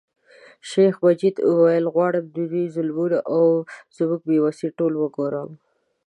شیخ مجید ویل غواړم د دوی ظلمونه او زموږ بې وسي ټول وګوري.